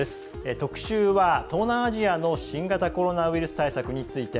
特集は東南アジアの新型コロナウイルス対策について。